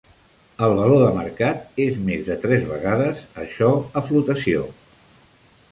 El valor de mercat és més de tres vegades això a flotació.